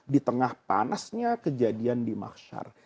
di tengah panasnya kejadian di maksar